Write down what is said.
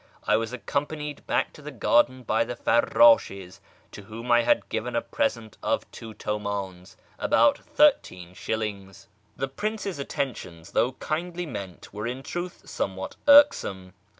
I was accompanied back to the garden by the farrd&lus, to whom I had to give a present of two Utrndns (about 13s.). The Prince's attentions, though kindly meant, were in truth somewhat irksome.